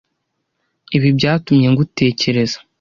Ibi byatumye ngutekereza.